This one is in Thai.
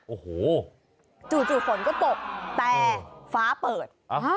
โอ้โหจู่ฝนก็ตกแต่ฟ้าเปิด